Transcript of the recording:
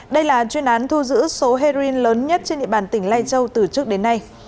đây là chuyên án thu giữ số heroin lớn nhất trên địa bàn tỉnh lai châu từ trước đến nay